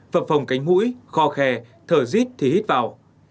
phần phòng cánh mũi kho khe thở dít thì hít vào